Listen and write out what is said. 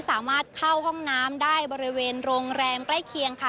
สามารถเข้าห้องน้ำได้บริเวณโรงแรมใกล้เคียงค่ะ